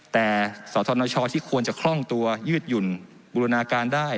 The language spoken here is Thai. แต่สธนชที่ควรจะคล่องตัวยืดหยุ่นบูรณาการได้